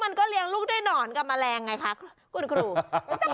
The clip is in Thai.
มันก็เลี้ยงลูกด้วยหนอนกับแมลงไงคะคุณครู